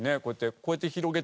こうやって広げてさ